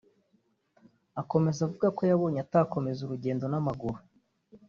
Akomeza avuga ko yabonye atakomeza urugendo n’amaguru